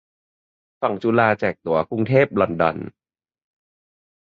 ฝั่งจุฬาแจกตั๋วกรุงเทพ-ลอนดอน